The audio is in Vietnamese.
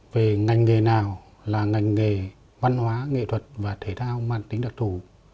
về ngành nghề nào là ngành nghề văn hóa nghệ thuật và thể thao mang tính đặc thủ